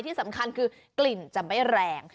ที่สำคัญคือกลิ่นจะไม่แรง